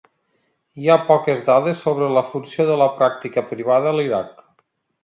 Hi ha poques dades sobre la funció de la pràctica privada a l'Iraq.